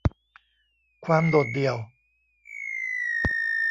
ความโดดเดี่ยว